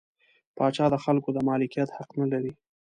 پاچا د خلکو د مالکیت حق نلري.